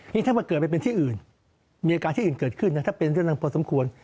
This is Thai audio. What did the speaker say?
นี่ถ้ามาเกิดไปเป็นที่อื่นมีอาการที่อื่นเกิดขึ้นนะถ้าเป็นเรื่องนั้นพอสมควร